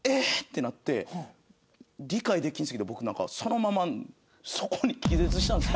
なって理解できないんですけど僕なんかそのままそこに気絶したんですよ。